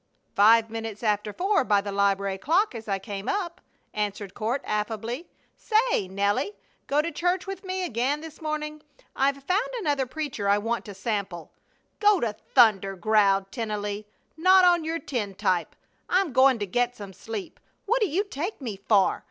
"Five minutes after four by the library clock as I came up," answered Courtland, affably. "Say, Nelly, go to church with me again this morning? I've found another preacher I want to sample." "Go to thunder!" growled Tennelly. "Not on your tin type! I'm going to get some sleep. What do you take me for?